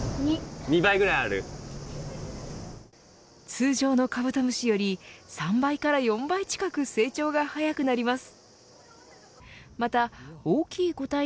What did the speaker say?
通常のカブトムシより３倍から４倍近く成長が早くなります。